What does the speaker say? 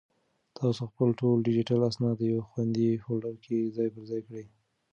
تاسو خپل ټول ډیجیټل اسناد په یو خوندي فولډر کې ځای پر ځای کړئ.